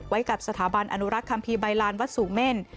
กับสถาบันอนุรักษ์คัมภีร์ใบลานวัดสูงเม่น